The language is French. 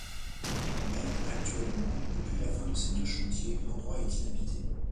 Mais, actuellement, depuis la fin de ces deux chantiers, l'endroit est inhabité.